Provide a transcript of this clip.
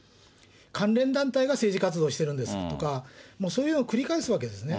関連団体が政治活動してるんですとか、そういうの繰り返すわけですね。